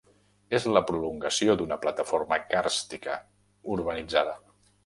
És la prolongació d'una plataforma càrstica, urbanitzada.